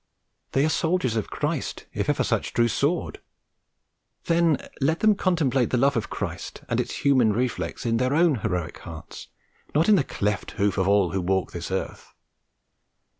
They are soldiers of Christ if ever such drew sword; then let them contemplate the love of Christ, and its human reflex in their own heroic hearts, not the cleft in the hoof of all who walk this earth!